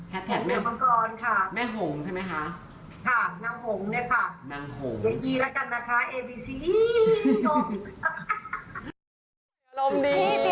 หือปลอบ